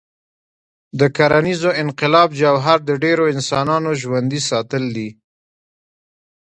د کرنيز انقلاب جوهر د ډېرو انسانانو ژوندي ساتل دي.